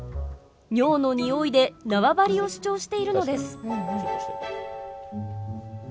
尿のニオイで縄張りを主張しているのです。